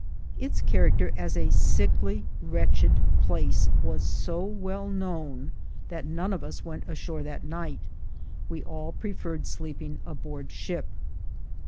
Its character as a sickly wretched place was so vv'ell known that none of us went ashore that night; we all preferred sleeping aboard ship.